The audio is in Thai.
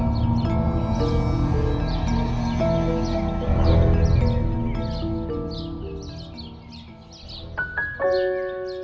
อ่า